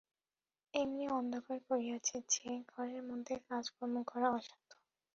এমনি অন্ধকার করিয়াছে যে, ঘরের মধ্যে কাজকর্ম করা অসাধ্য।